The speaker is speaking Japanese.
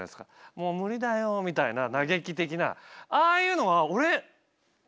「もう無理だよ」みたいな嘆き的なああいうのは俺合うなと思って。